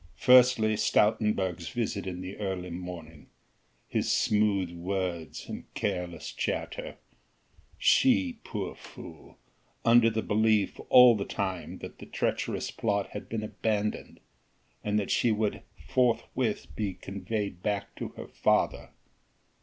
Firstly Stoutenburg's visit in the early morning, his smooth words and careless chatter! she, poor fool! under the belief all the time that the treacherous plot had been abandoned, and that she would forthwith be conveyed back to her father.